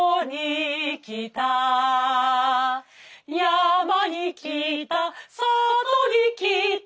「山に来た里に来た」